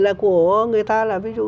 là của người ta là ví dụ